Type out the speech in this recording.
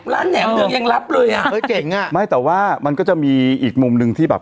แหนมเนืองยังรับเลยอ่ะเออเก่งอ่ะไม่แต่ว่ามันก็จะมีอีกมุมหนึ่งที่แบบ